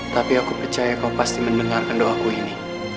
tapi aku percaya kau pasti mendengarkan doaku ini